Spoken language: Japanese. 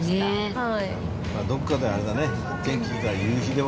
どこかであれだね。